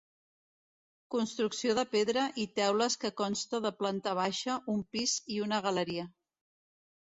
Construcció de pedra i teules que consta de planta baixa, un pis i una galeria.